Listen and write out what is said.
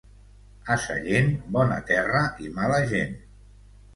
A Sallent, bona terra i mala gent.